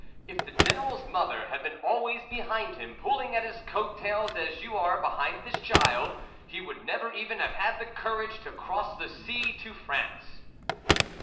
... If the General's mother had been always behind him, pulling at his coat tails, as you are behind this child, he would never even have had the courage to cross the sea to France."